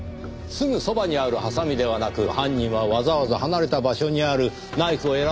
すぐそばにあるハサミではなく犯人はわざわざ離れた場所にあるナイフを選んで使った。